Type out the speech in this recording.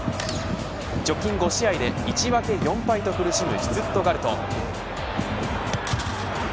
直近５試合で１分４敗と苦しむシュツットガルト。